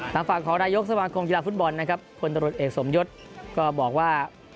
ทางฝั่งของนายกสมาคมกีฬาฟุตบอลนะครับคนตรวจเอกสมยศก็บอกว่า